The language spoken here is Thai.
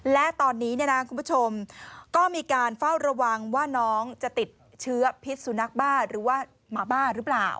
และตอนนี้คุณผู้ชมก็มีการเฝ้าระวังว่าน้องจะติดเชื้อพิษสุนัขบ้าหรือว่าหมาบ้าหรือเปล่า